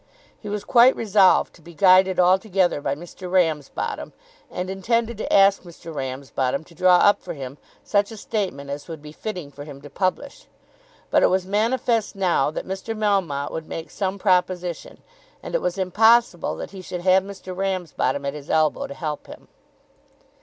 He was quite resolved to be guided altogether by Mr. Ramsbottom, and intended to ask Mr. Ramsbottom to draw up for him such a statement as would be fitting for him to publish. But it was manifest now that Mr. Melmotte would make some proposition, and it was impossible that he should have Mr. Ramsbottom at his elbow to help him.